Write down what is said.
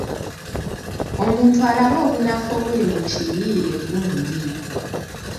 Omuntu alabe obunafu obuli mu kiyiiye gundi.